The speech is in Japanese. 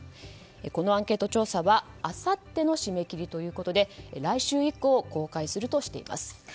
このアンケート調査はあさっての締め切りということで来週以降公開するとしています。